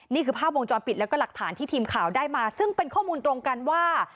นี่คือภาพวงจรปิดแล้วก็หลักฐานที่ทีมข่าวได้มาซึ่งเป็นข้อมูลตรงกันว่า